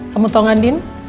kamu tau gak andin